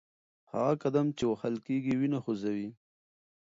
هغه قدم چې وهل کېږي وینه خوځوي.